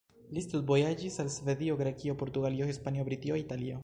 Li studvojaĝis al Svedio, Grekio, Portugalio, Hispanio, Britio, Italio.